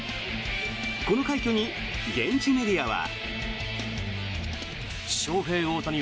この快挙に現地メディアは。